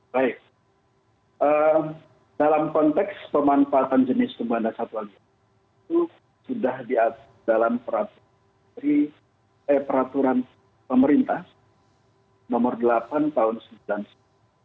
baik dalam konteks pemanfaatan jenis tumbuhan dan satwa liar itu sudah diatur dalam peraturan pemerintah nomor delapan tahun seribu sembilan ratus sembilan puluh